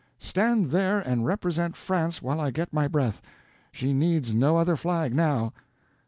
Stand there and represent France while I get my breath. She needs no other flag now."